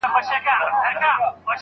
محصل د څيړني اصولو ته پام کوي.